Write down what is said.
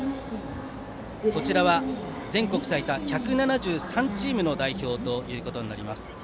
こちらは全国最多１７３チームの代表となります。